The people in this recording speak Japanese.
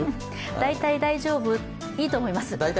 大体大丈夫いいと思います。